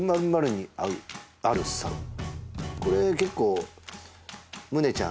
これ結構ムネちゃん